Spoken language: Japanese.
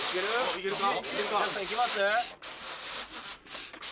いけるか？